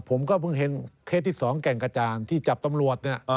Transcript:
ผมก็เพิ่งเห็นเคสที่๒แก่งกระจานที่จับตำรวจเนี่ย